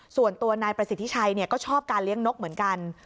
ส่วนตัวนายประสิทธิชัยก็ชอบการเลี้ยงนกเหมือนกัน